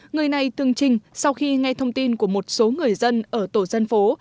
người này tương trình sau khi nghe thông tin của một số người dân ở tổ dân phố